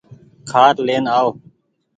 کآٽ لين آئو۔